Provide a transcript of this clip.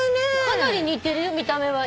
かなり似てる見た目は。